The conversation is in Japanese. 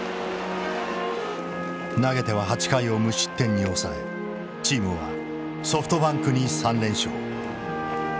投げては８回を無失点に抑えチームはソフトバンクに３連勝。